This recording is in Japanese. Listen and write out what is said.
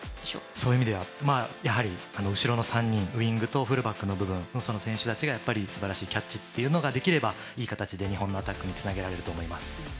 そういう意味では後ろの３人ウィングとフルバックの部分の選手たちがすばらしいキャッチができればいい形で日本のアタックにつなげられると思います。